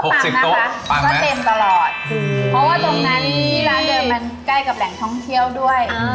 ตังค์นะคะก็เต็มตลอดเพราะว่าตรงนั้นร้านเดิมมันใกล้กับแหล่งท่องเที่ยวด้วย